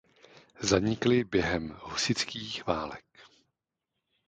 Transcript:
Zanikly během husitských válek.